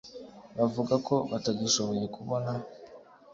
Bavuga ko batagishoboye kubona